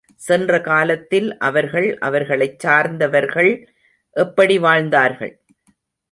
சென்ற காலத்தில் அவர்கள், அவர்களைச் சார்ந்தவர்கள் எப்படி வாழ்ந்தார்கள்?